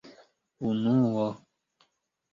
unuo